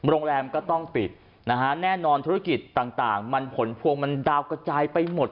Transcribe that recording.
โรงแรมก็ต้องปิดนะฮะแน่นอนธุรกิจต่างมันผลพวงมันดาวกระจายไปหมด